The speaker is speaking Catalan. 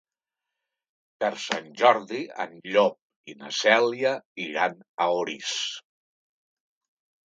Per Sant Jordi en Llop i na Cèlia iran a Orís.